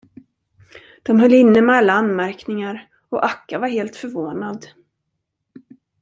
De höll inne med alla anmärkningar, och Akka var helt förvånad.